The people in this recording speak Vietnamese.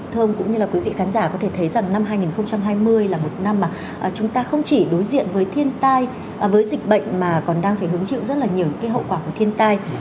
thưa ông cũng như là quý vị khán giả có thể thấy rằng năm hai nghìn hai mươi là một năm mà chúng ta không chỉ đối diện với thiên tai với dịch bệnh mà còn đang phải hứng chịu rất là nhiều cái hậu quả của thiên tai